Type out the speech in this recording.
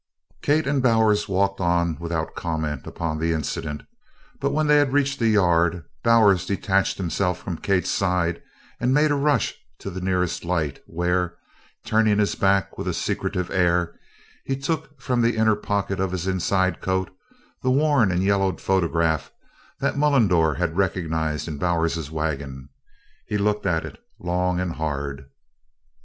Kate and Bowers walked on without comment upon the incident, but when they had reached the yard, Bowers detached himself from Kate's side and made a rush to the nearest light where, turning his back with a secretive air, he took from the inner pocket of his inside coat the worn and yellowed photograph that Mullendore had recognized in Bowers's wagon. He looked at it long and hard.